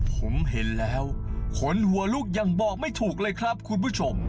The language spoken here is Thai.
ผมเห็นแล้วขนหัวลุกยังบอกไม่ถูกเลยครับคุณผู้ชม